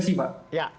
ini masalah peninggalan